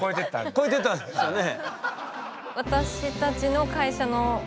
越えてったんですよね。